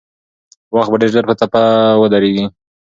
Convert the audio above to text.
وخت به ډېر ژر په ټپه ودرېږي.